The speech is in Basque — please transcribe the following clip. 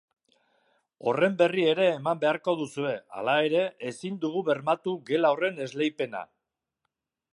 Horren berri ere eman beharko duzue; hala ere, ezin dugu bermatu gela horren esleipena.